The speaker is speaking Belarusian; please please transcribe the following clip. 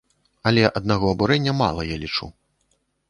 Але аднаго абурэння мала, я лічу.